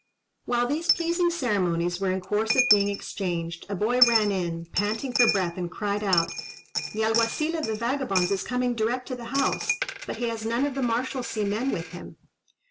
While these pleasing ceremonies were in course of being exchanged, a boy ran in, panting for breath, and cried out, "The Alguazil of the vagabonds is coming direct to the house, but he has none of the Marshalsea men with him."